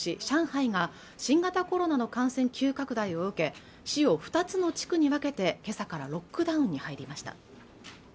上海が新型コロナの感染急拡大を受け市を２つの地区に分けてけさからロックダウンに入りました